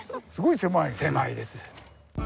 狭いです。